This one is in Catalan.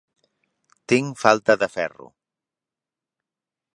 Tinc falta de ferro.